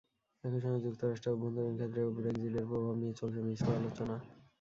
একই সঙ্গে যুক্তরাষ্ট্রের অভ্যন্তরীণ ক্ষেত্রেও ব্রেক্সিটের প্রভাব নিয়ে চলছে মিশ্র আলোচনা।